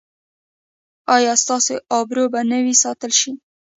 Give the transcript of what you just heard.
ایا ستاسو ابرو به و نه ساتل شي؟